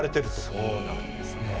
そうなんですね。